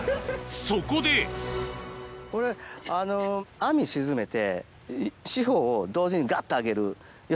そこでこれ網沈めて四方を同時にガッと上げる。